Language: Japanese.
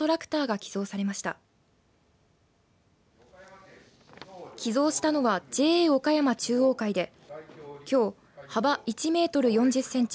寄贈したのはＪＡ岡山中央会できょう、幅１メートル４０センチ